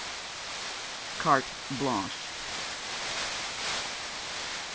CARTE BLANCHE.